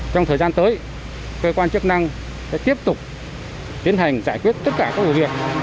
trong thời gian tới cơ quan chức năng sẽ tiếp tục tiến hành giải quyết tất cả các vụ việc